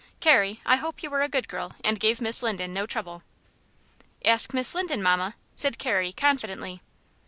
Carrie, I hope you were a good girl, and gave Miss Linden no trouble." "Ask Miss Linden, mamma," said Carrie, confidently.